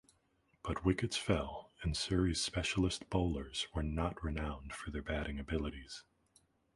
But wickets fell, and Surrey's specialist bowlers were not renowned for their batting abilities.